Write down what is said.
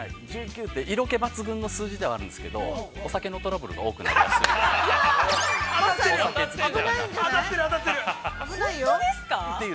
◆１９って、色気抜群の数字ではあるんですけどお酒のトラブルが多くなりやすい。